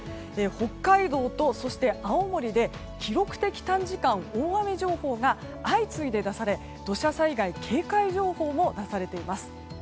北海道と青森で記録的短時間大雨情報が相次いで出されて土砂災害警戒情報も出されています。